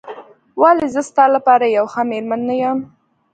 ولې زه ستا لپاره یوه ښه مېرمن نه یم؟